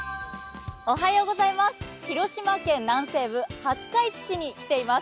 広島県南西部、廿日市市に来ています。